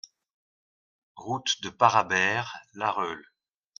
Route de Parabère, Larreule